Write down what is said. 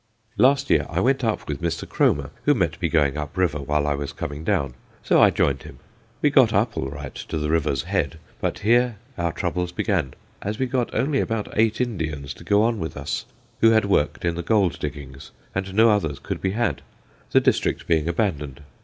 Last year I went up with Mr. Kromer, who met me going up river while I was coming down. So I joined him. We got up all right to the river's head, but here our troubles began, as we got only about eight Indians to go on with us who had worked in the gold diggings, and no others could be had, the district being abandoned.